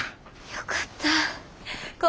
よかった。